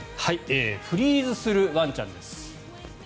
フリーズするワンちゃんです。